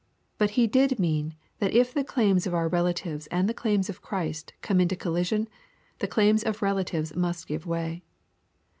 But He did mean that if the claims of our relatives and the claims of Christ come into collision, the claims of relatives must give way.